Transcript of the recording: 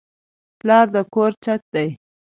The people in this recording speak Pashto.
پلار د کور چت دی